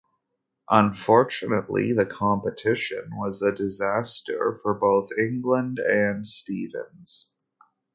Unfortunately, the competition was a disaster for both England and Stevens.